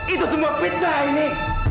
itu semua fitnah ini